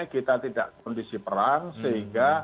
kita tidak kondisi perang sehingga